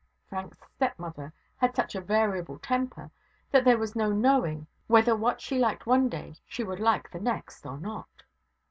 Frank's stepmother had such a variable temper, that there was no knowing whether what she liked one day she would like the next, or not.